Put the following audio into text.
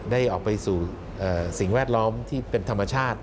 ได้ออกไปสู่สิ่งแวดล้อมที่เป็นธรรมชาติ